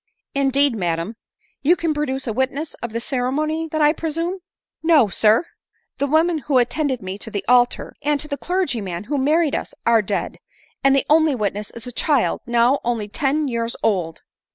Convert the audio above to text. " Indeed, madam ! You can produce a witness of the v ceremony, then, I presume ?", f " No, sir ; the woman who attended me to the altar* and the clergyman who married us, are dead ; and the only witness is a child now only ten years old."